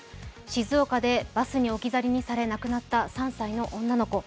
静岡でバスに置き去りにされ、亡なくなった３歳の女の子。